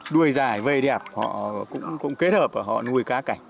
đuôi dài vây đẹp họ cũng kết hợp họ nuôi cá cảnh